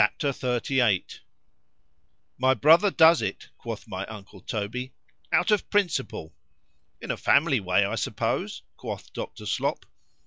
XXXVIII MY brother does it, quoth my uncle Toby, out of principle.——In a family way, I suppose, quoth Dr. _Slop.